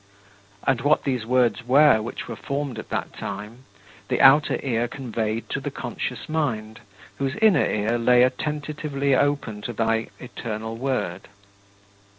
And what these words were which were formed at that time the outer ear conveyed to the conscious mind, whose inner ear lay attentively open to thy eternal Word.